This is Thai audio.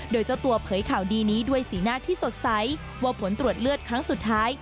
โดยเจ้าตัวเผยข่าวดีนี้ด้วยสีหน้าที่สดใสว่าผลตรวจเลือดครั้งสุดท้าย